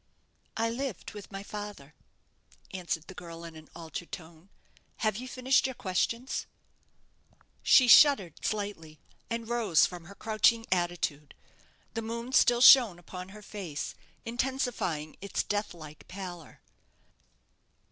"I lived with my father," answered the girl, in an altered tone. "Have you finished your questions?" She shuddered slightly, and rose from her crouching attitude. The moon still shone upon her face, intensifying its deathlike pallor.